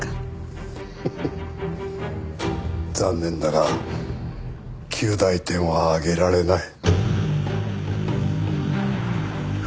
フフフッ残念だが及第点はあげられない。